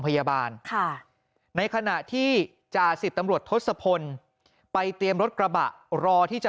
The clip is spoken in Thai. พยาบาลค่ะในขณะที่จ่าสิบตำรวจทศพลไปเตรียมรถกระบะรอที่จะ